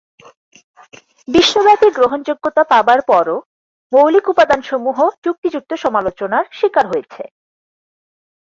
বিশ্বব্যাপী গ্রহণযোগ্যতা পাবার পরও "মৌলিক উপাদানসমূহ" যুক্তিযুক্ত সমালোচনার শিকার হয়েছে।